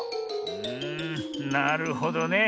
うんなるほどね。